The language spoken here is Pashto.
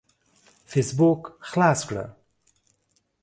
فيسبوک خلاص کړه.